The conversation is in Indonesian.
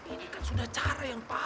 ini kan sudah caranya